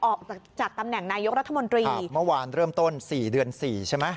ออกจากจัดตำแหน่งนายกรัฐมนตรีเมื่อวานเริ่มต้นสี่เดือนสี่ใช่ไหม